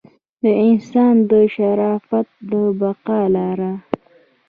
د انسان د شرافت د بقا لاره.